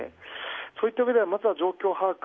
そういったうえではまずは状況把握。